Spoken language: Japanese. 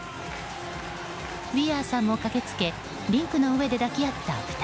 ウィアーさんも駆けつけリンクの上で抱き合った２人。